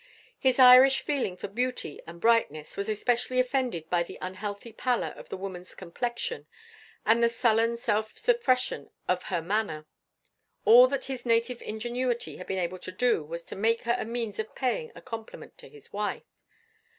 His Irish feeling for beauty and brightness was especially offended by the unhealthy pallor of the woman's complexion, and the sullen self suppression of her manner. All that his native ingenuity had been able to do was to make her a means of paying a compliment to his wife.